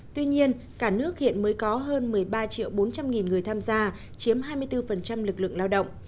tuy nhiên cả nước hiện mới có hơn một mươi ba triệu bốn trăm linh nghìn người tham gia chiếm hai mươi bốn lực lượng lao động